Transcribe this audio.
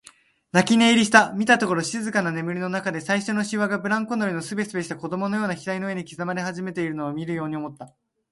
泣き寝入りした、見たところ静かな眠りのなかで、最初のしわがブランコ乗りのすべすべした子供のような額の上に刻まれ始めているのを見るように思った。